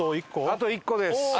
あと１個です。